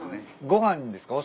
ご飯ですか？